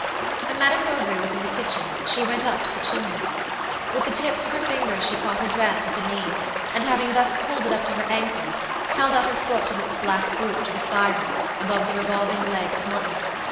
When Madame Bovary was in the kitchen she went up to the chimney. With the tips of her fingers she caught her dress at the knee, and having thus pulled it up to her ankle, held out her foot in its black boot to the fire above the revolving leg of mutton.